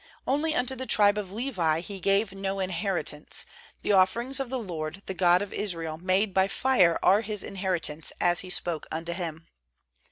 140nly unto the tribe of ]Levi he gave no inheritance; the offerings of the LOBD, the God of Israel, made by fire are his inheritance, as He spoke unto him.